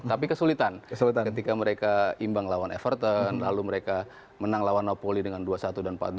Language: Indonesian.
tapi kesulitan ketika mereka imbang lawan everton lalu mereka menang lawan nopoli dengan dua satu dan empat dua